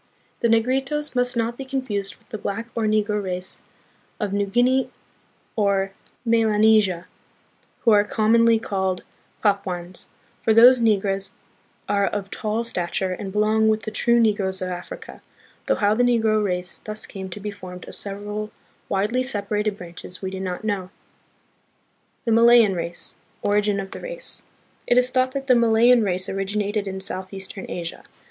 The Negritos must not be confused with the black or negro race of New Guinea or Melanesia, who are com monly called Papuans; for those Negroes are of tall stature and belong with the true Negroes of Africa, though how the Negro race thus came to be formed of several widely separated branches we do not know. The Malayan Race. Origin of the Race. It is thought that the Malayan race originated in southeastern Asia.